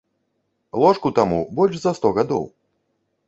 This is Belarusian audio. Ложку таму больш за сто гадоў.